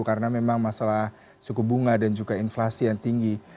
karena memang masalah suku bunga dan juga inflasi yang tinggi